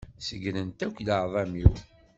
Segrent akk leεḍam-iw.